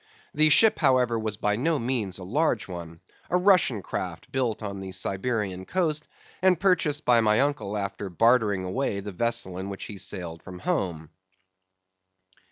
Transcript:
The ship, however, was by no means a large one: a Russian craft built on the Siberian coast, and purchased by my uncle after bartering away the vessel in which he sailed from home.